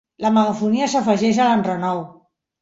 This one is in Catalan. La megafonia s'afegeix a l'enrenou.